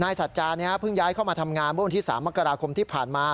นายสัตว์จานี้พึ่งย้ายเข้ามาทำงานวันที่๓มกราคมที่ผ่านมา